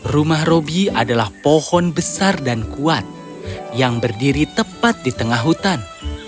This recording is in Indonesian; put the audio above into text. rumah roby adalah pohon besar dan kuat yang berdiri tepat di tengah hutan